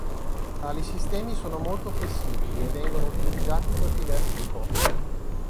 Tali sistemi sono molto flessibili e vengono utilizzati per diversi scopi.